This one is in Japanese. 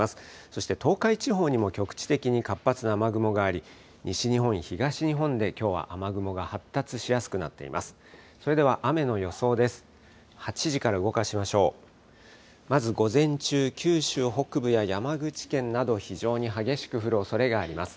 そして東海地方にも局地的に活発な雨雲があり、西日本、東日本できょうは雨雲が発達しやすくなっています。